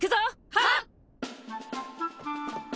はっ！